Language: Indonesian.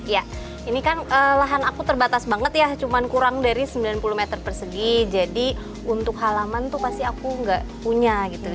ya ini kan lahan aku terbatas banget ya cuma kurang dari sembilan puluh meter persegi jadi untuk halaman tuh pasti aku nggak punya gitu